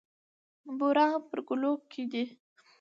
بورا هم پر ګلو کېني.